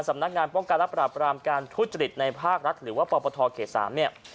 สำนักงานป้องกันและปราบรามการทุจริตในภาครัฐหรือว่าปปทเขต๓เนี่ย